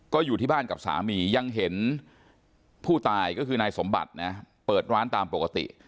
ก็อยู่ที่บ้านกับสามียังเห็นผู้ตายก็คือนายสมบัตินะเปิดร้านตามปกติ